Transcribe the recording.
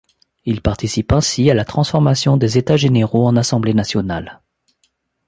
Il participe ainsi à la transformation des États Généraux en Assemblée Nationale.